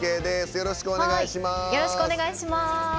よろしくお願いします。